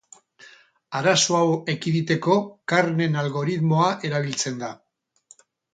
Arazo hau ekiditeko Karnen algoritmoa erabiltzen da.